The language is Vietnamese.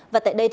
và tại đây